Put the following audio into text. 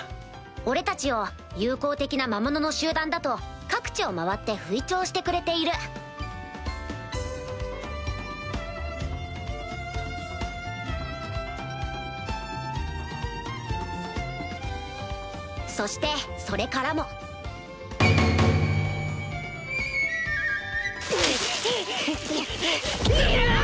俺たちを友好的な魔物の集団だと各地を回って吹聴してくれているそしてそれからも・ハァハァ！